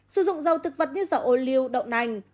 sử dụng dầu thực vật như dầu ô liu đậu nành